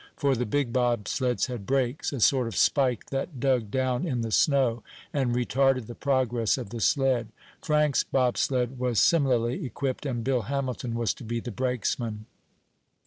For the big bobsleds had brakes a sort of spike that dug down in the snow and retarded the progress of the sled. Frank's bobsled was similarly equipped, and Bill Hamilton was to be the brakesman.